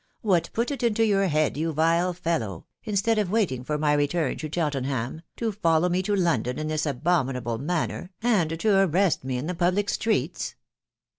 What put it into your head, you vile fellow, instead of waiting my return to Cheltenham, to follow me to London in this abominable manner, and to arrest me in the public streets?"